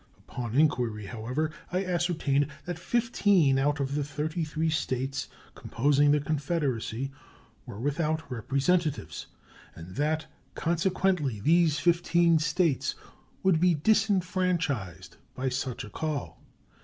Upon inquiry, however, I ascertained that fifteen out of the thirty three States composing the Confederacy were without Representatives, and that consequently these fifteen States would be disfranchised by such a call.